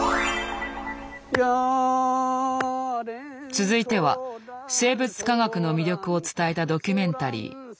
続いては生物科学の魅力を伝えたドキュメンタリー。